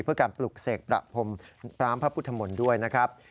เพื่อการปลุกเสกประพรมน้ำพระพุทธมนตร์ด้วยนะครับ